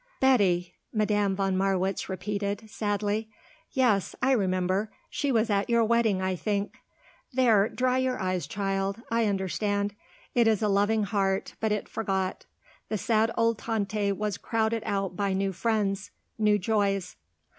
"Betty," Madame von Marwitz repeated, sadly. "Yes, I remember; she was at your wedding, I think. There, dry your eyes, child. I understand. It is a loving heart, but it forgot. The sad old Tante was crowded out by new friends new joys."